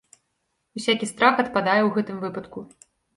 Усякі страх адпадае ў гэтым выпадку.